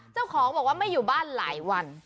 เจ้าของบอกว่าไม่อยู่บ้านหลายวัน